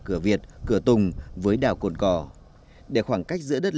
cửa việt cửa tùng với đảo còn cò để khoảng cách giữa đất nước